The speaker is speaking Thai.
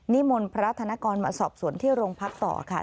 มนต์พระธนกรมาสอบสวนที่โรงพักต่อค่ะ